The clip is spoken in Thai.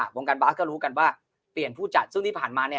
วงการบาสก็รู้กันว่าเปลี่ยนผู้จัดซึ่งที่ผ่านมาเนี่ย